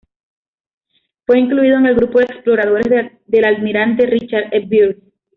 Fue incluido en el grupo de exploradores del almirante Richard E. Byrd.